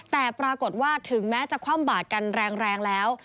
แต่ปรากฏว่าถึงแม้จะคว่ำบาดกันแรงแล้ว